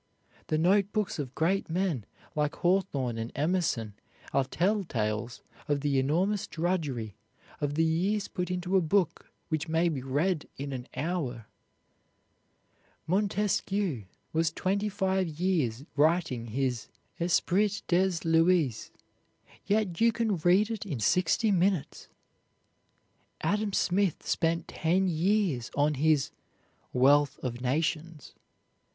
The note books of great men like Hawthorne and Emerson are tell tales of the enormous drudgery, of the years put into a book which may be read in an hour. Montesquieu was twenty five years writing his "Esprit des Lois," yet you can read it in sixty minutes. Adam Smith spent ten years on his "Wealth of Nations."